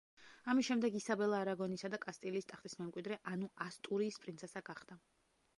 ამის შემდეგ ისაბელა არაგონისა და კასტილიის ტახტის მემკვიდრე, ანუ ასტურიის პრინცესა გახდა.